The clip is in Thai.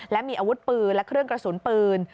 และมีอาวุธปืนและเครื่องกระสุนปืน